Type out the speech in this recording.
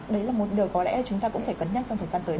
đấy là một điều có lẽ là chúng ta cũng phải cân nhắc trong thời gian tới